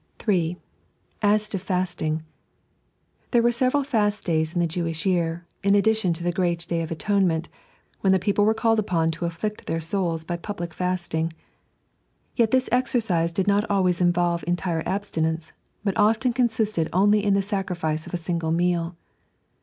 (3) Aa to Fasting — There were several fast days in the Jewish year, in addition to the Great Day of Atonement, when the people were called upon to afflict their souls by public fasting. Tet this exercise did not always involve entire abstinence, but often consisted only in the sacrifice of a single meal.